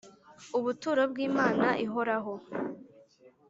ubuturo bw’imana ihoraho